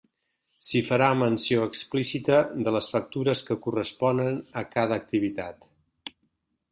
S'hi farà menció explícita de les factures que corresponen a cada activitat.